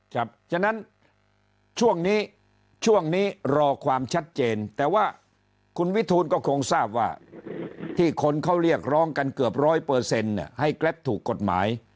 ครับฉะนั้นช่วงนี้รอความชัดเจนแต่ว่าคุณวิทูลก็คงทราบว่าที่คนเขาเรียกร้องกันเกือบ๑๐๐ให้แก๊บถูกกฎหมาย